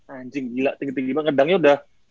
anjing gila tinggi tinggi banget ngedangnya udah